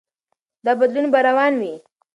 دا بدلون به روان وي.